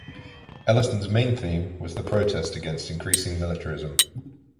Ellison's main theme was the protest against increasing militarism.